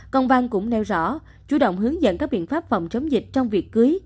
công văn cũng nêu rõ chủ động hướng dẫn các biện pháp phòng chống dịch trong việc cưới